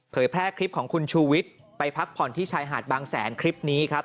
แพร่คลิปของคุณชูวิทย์ไปพักผ่อนที่ชายหาดบางแสนคลิปนี้ครับ